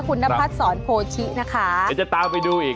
คุณนัพพัทย์สอนโภชินะคะจะตามไปดูอีก